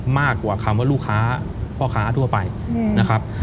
มากกว่าคำว่าลูกค้าพ่อค้าทั่วไปนะครับ